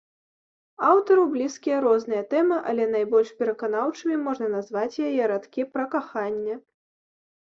Аўтару блізкія розныя тэмы, але найбольш пераканаўчымі можна назваць яе радкі пра каханне.